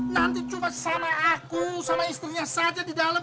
nanti cuma sama aku sama istrinya saja didalam